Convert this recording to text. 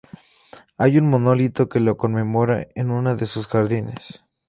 Hay un monolito que lo conmemora en uno de sus jardines.